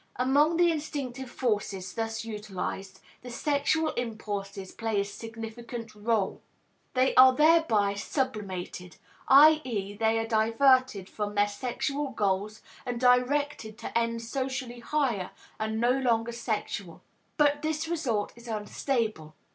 Among the instinctive forces thus utilized, the sexual impulses play a significant role. They are thereby sublimated, i.e., they are diverted from their sexual goals and directed to ends socially higher and no longer sexual. But this result is unstable.